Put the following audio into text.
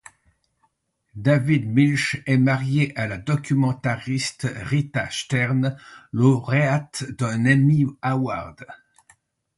David Milch est marié à la documentariste Rita Stern, lauréate d’un Emmy Award.